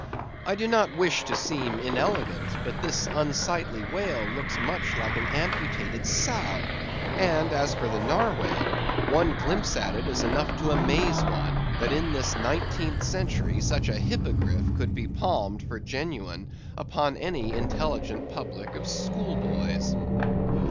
I do not wish to seem inelegant, but this unsightly whale looks much like an amputated sow; and, as for the narwhale, one glimpse at it is enough to amaze one, that in this nineteenth century such a hippogriff could be palmed for genuine upon any intelligent public of schoolboys.